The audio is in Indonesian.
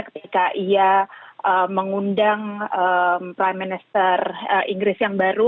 ketika ia mengundang prime minister inggris yang baru